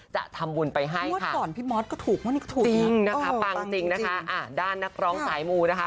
จะทำบุญไปให้ค่ะจริงนะคะปังจริงนะคะด้านนักร้องสายหมูนะคะ